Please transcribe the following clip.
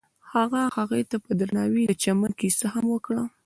هغه هغې ته په درناوي د چمن کیسه هم وکړه.